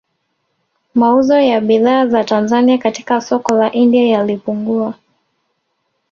Mauzo ya bidhaa za Tanzania katika soko la India yalipungua